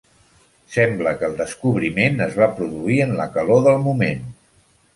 Sembla que el descobriment es va produir en la calor del moment.